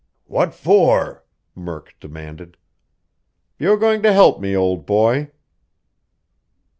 "What for?" Murk demanded. "You're going to help me, old boy."